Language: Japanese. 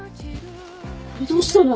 これどうしたの？